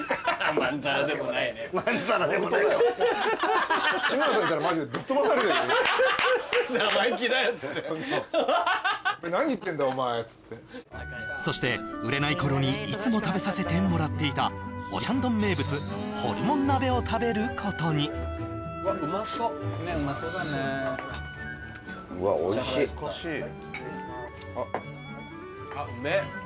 まんざらでもない顔して「生意気だよ」っつってそして売れない頃にいつも食べさせてもらっていたオジャンドン名物ホルモン鍋を食べることにうまそっねっうまそうだねあっうめえ